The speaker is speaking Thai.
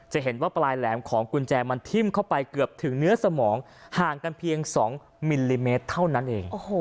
จะเห็นว่าปลายแหลมของกุญแจมันทิ้มเข้าไปเกือบถึงเนื้อสมองห่างกันเพียง๒มิลลิเมตรเท่านั้นเอง